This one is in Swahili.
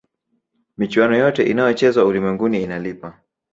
michuano yote inayochezwa ulimwenguni inalipa